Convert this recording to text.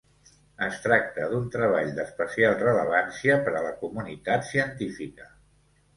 Es tracta d'un treball d'especial rellevància per a la comunitat científica.